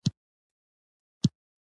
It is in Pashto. جګړه له ما څخه ډېره لیري وه.